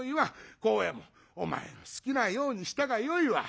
幸右衛門お前の好きなようにしたがよいわ。